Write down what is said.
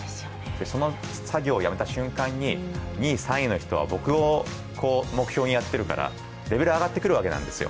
その作業をやめた瞬間に、２位、３位の人は僕を目標にやっているから、レベル上がってくるわけなんですよ。